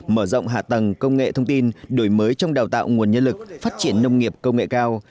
mở rộng hạ tầng công nghệ thông tin đổi mới trong đào tạo nguồn nhân lực phát triển nông nghiệp công nghệ cao